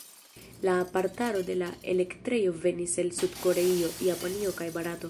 La aparataro de la elektrejo venis el Sud-Koreio, Japanio kaj Barato.